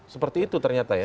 seperti itu ternyata ya